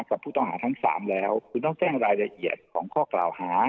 กับผู้ต้องหาทั้งสามแล้วคุณต้องแจ้งรายละเอียดของข้อกล่าวหา